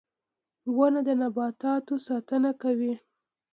• ونه د نباتاتو ساتنه کوي.